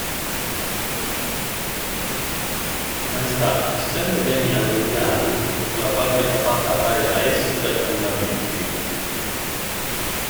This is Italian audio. Maestà, essendo beni allodiali et la fabbrica fatta fare da esso dai fondamenti".